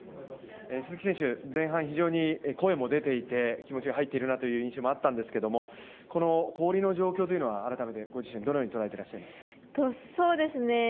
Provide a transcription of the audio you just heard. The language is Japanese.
鈴木選手、前半非常に声も出ていて気持ちが入っているなという印象もあったんですけどもこの氷の状況というのは改めてご自身で、どのようにとらえていらっしゃいますか？